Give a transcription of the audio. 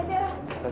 iya tia ra